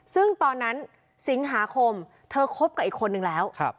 ซึ่งตอนนั้นสิงหาคมเธอคบกับอีกคนนึงแล้ว